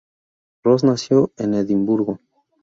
Ross nació en Edimburgo.